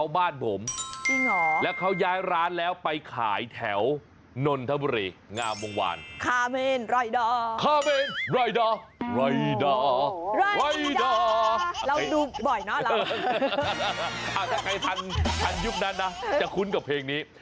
ถ้าใครทันยุคนั้นนะจะคุ้นกับเพลงนี้